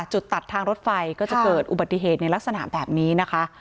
จุดตัดทางรถไฟก็จะเกิดอุบัติเหตุในลักษณะแบบนี้นะคะ